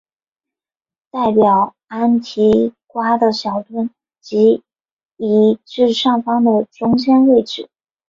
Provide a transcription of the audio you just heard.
代表安提瓜的小盾即移至上方的中间位置。